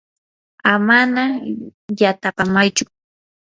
amana yatapamaychu.